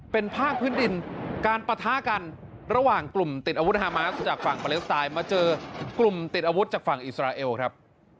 เป็นภาคพื้นดินการปะทะกันระหว่างกลุ่มติดอาวุธฮามาสจากฝั่งปาเลสไตน์มาเจอกลุ่มติดอาวุธจากฝั่งอิสราเอลครับ